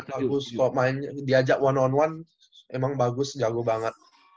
kalau diajak one on one emang bagus jago banget